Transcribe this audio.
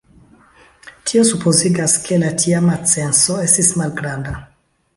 Tio supozigas, ke la tiama censo estis malgranda.